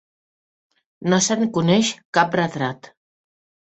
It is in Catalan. No se'n coneix cap retrat.